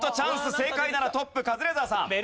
正解ならトップカズレーザーさん。